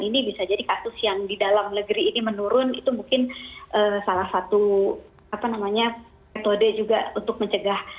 jadi bisa jadi kasus yang di dalam negeri ini menurun itu mungkin salah satu apa namanya metode juga untuk mencegah